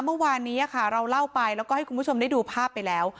เมื่อวานนี้ค่ะเราเล่าไปแล้วก็ให้คุณผู้ชมได้ดูภาพไปแล้ว